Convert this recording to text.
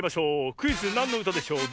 クイズ「なんのうたでしょう」